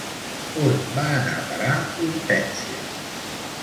On va anar a parar l'Hortensia?